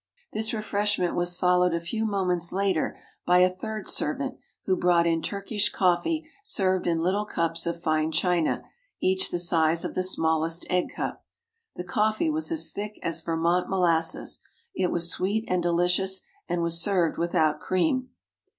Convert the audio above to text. This refreshment was followed a few moments later by a third servant who brought in Turkish coffee served in little cups of fine china, each the size of the smallest egg cup. The coffee was as thick as Vermont molasses. It was sweet and delicious and was served without cream.